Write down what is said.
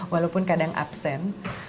walaupun kadang absen